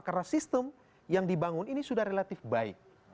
karena sistem yang dibangun ini sudah relatif baik